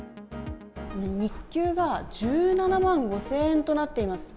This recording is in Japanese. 日給が１７万５０００円となっています。